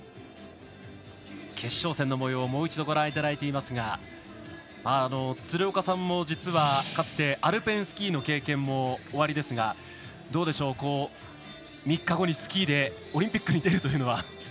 決勝戦のもようもう一度ご覧いただいていますが鶴岡さんも実はかつてアルペンスキーの経験もおありですがどうでしょう３日後にスキーでオリンピックに出るというのは？